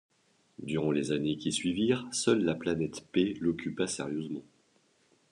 Durant les années qui suivirent, seule la planète P l'occupa sérieusement.